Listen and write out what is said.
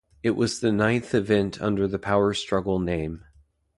It was the ninth event under the Power Struggle name.